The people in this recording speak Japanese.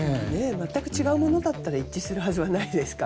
全く違うものだったら一致するはずがないですから。